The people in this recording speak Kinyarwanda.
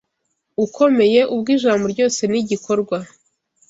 ukomeye ubwo ijambo ryose n’igikorwa